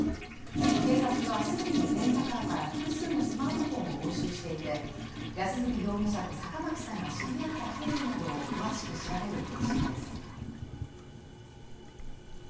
警察は、既にレンタカーから複数のスマートフォンを押収していて、安栖容疑者と坂巻さんが知り合った経緯などを詳しく調べる方針です。